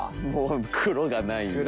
もう黒がない。